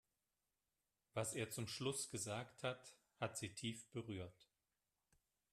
Was er zum Schluss gesagt hat, hat sie tief berührt.